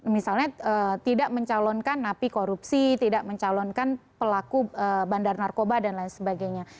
misalnya tidak mencalonkan napi korupsi tidak mencalonkan pelaku bandar narkoba dan lain sebagainya